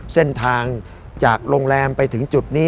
เส้นทางจากโรงแรมไปถึงจุดนี้